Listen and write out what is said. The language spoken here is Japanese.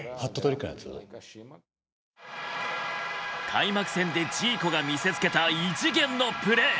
開幕戦でジーコが見せつけた異次元のプレー！